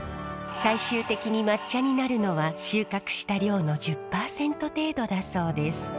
最終的に抹茶になるのは収穫した量の１０％程度だそうです。